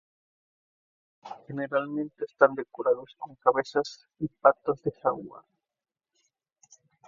Generalmente están decorados con cabezas y patas de jaguar.